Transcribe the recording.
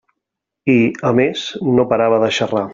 I, a més, no parava de xerrar.